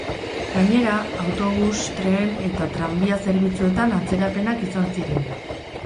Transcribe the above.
Gainera, autobus, tren eta tranbia zerbitzuetan atzerapenak izan ziren.